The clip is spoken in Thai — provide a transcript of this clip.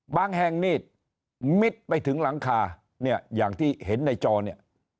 แห่งนี่มิดไปถึงหลังคาเนี่ยอย่างที่เห็นในจอเนี่ย